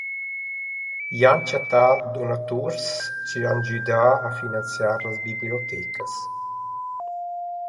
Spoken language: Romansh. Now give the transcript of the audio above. Id han chattà donatuors chi han güdà a finanziar las bibliotecas.